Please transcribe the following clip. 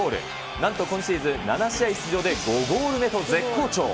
なんと今シーズン、７試合出場で５ゴール目と絶好調。